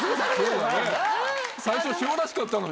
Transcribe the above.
最初しおらしかったのに。